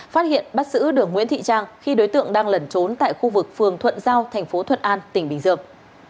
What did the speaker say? phát hiện bắt xử đường nguyễn thị trang khi đối tượng đang lẩn trốn tại khu vực phường thuận giao tp thuận an tỉnh bình dương